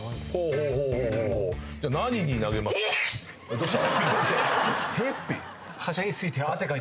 どうした？